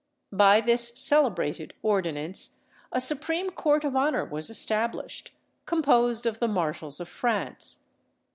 By this celebrated ordinance a supreme court of honour was established, composed of the marshals of France.